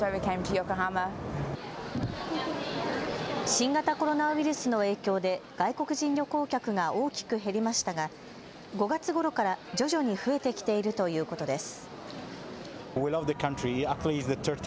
新型コロナウイルスの影響で外国人旅行客が大きく減りましたが５月ごろから徐々に増えてきているということです。